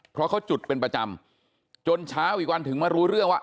เพราะเขาจุดเป็นประจำจนเช้าอีกวันถึงมารู้เรื่องว่า